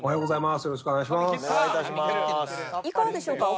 いかがでしょうか？